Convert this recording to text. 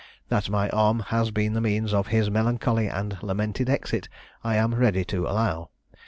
That my arm has been the means of his melancholy and lamented exit, I am ready to allow.